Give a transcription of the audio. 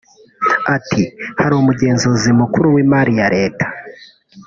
Ati “Hari umugenzuzi mukuru w’imari ya leta